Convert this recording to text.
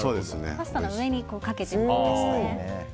パスタの上にかけてもいいですね。